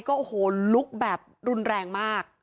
โอ้โหลุกแบบรุนแรงมาก